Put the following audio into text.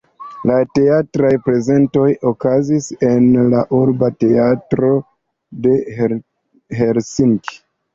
Teatraj prezentoj okazis en la urba teatro de Helsinki.